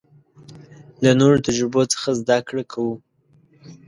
له نورو تجربو څخه زده کړه کوو.